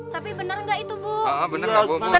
tapi bener gak itu bu